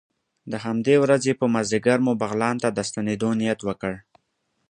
د همدې ورځې په مازدیګر مو بغلان ته د ستنېدو نیت وکړ.